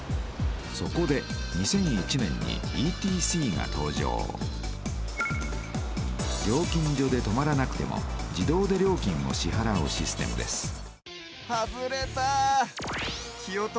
そこで２００１年にＥＴＣが登場料金所で止まらなくても自動で料金を支はらうシステムです